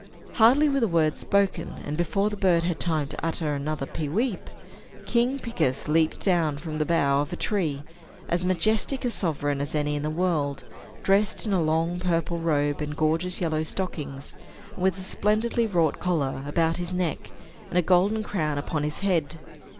Hardly were the words spoken, and before the bird had time to utter another "pe weep," King Picus leaped down from the bough of a tree, as majestic a sovereign as any in the world, dressed in a long purple robe and gorgeous yellow stockings, with a splendidly wrought collar about his neck, and a golden crown upon his head.